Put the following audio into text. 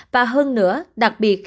và hơn nữa đặc biệt